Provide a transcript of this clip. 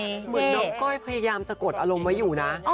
เหมือนน้องก้อยพยายามสะกดอารมณ์ไว้อยู่นะ